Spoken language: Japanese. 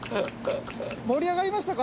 盛り上がりましたか？